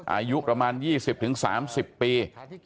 อายุประมาณ๒๐๓๐ปี